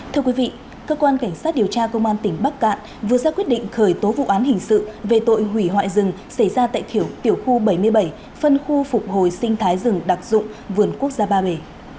thưa quý vị cơ quan cảnh sát điều tra công an tỉnh bắc cạn vừa ra quyết định khởi tố vụ án hình sự về tội hủy hoại rừng xảy ra tại tiểu khu bảy mươi bảy phân khu phục hồi sinh thái rừng đặc dụng vườn quốc gia ba bể